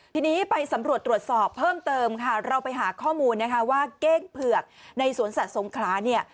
ทีนี้ไปสำรวจตรวจสอบเพิ่มเติมค่ะเราไปหาข้อมูลนะคะว่าเก้งเผือกในสวนสัตว์สงคราเนี่ย